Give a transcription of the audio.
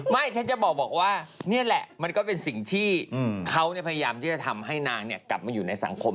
ไม่ฉันจะบอกว่านี่แหละมันก็เป็นสิ่งที่เขาพยายามที่จะทำให้นางกลับมาอยู่ในสังคม